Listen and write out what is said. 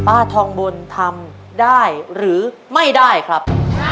ป้าทองบนทำได้หรือไม่ได้ครับ